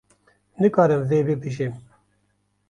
- Nikarim vê bibêjim.